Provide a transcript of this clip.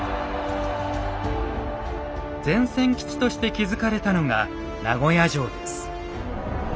前線基地として築かれたのが名護屋城です。